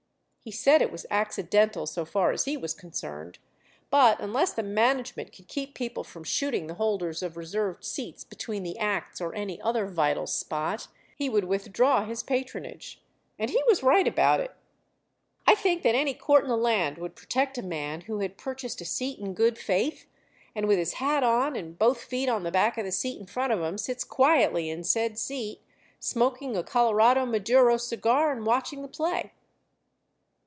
He said it was accidental so far as he was concerned, but unless the management could keep people from shooting the holders of reserved seats between the acts or any other vital spot, he would withdraw his patronage. And he was right about it. I think that any court in the land would protect a man who had purchased a seat in good faith, and with his hat on and both feet on the back of the seat in front of him, sits quietly in said seat, smoking a Colorado Maduro cigar and watching the play.